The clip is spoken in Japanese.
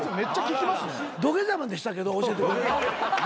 土下座までしたけど教えてくれない。